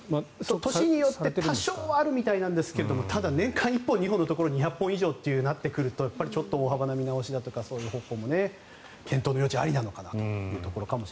年によって多少はされているようですが年間１本、２本のところで２００本以上となってくると大幅な見直しだとかそういう方向に検討の余地ありなのかというところですが。